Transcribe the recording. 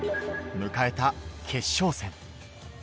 迎えた決勝戦。